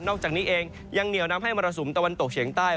อกจากนี้เองยังเหนียวนำให้มรสุมตะวันตกเฉียงใต้